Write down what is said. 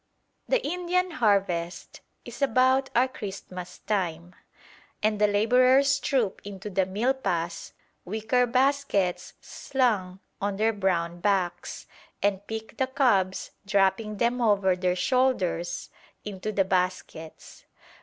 The Indian harvest is about our Christmas time, and the labourers troop into the milpas, wicker baskets slung on their brown backs, and pick the cobs, dropping them over their shoulders into the baskets.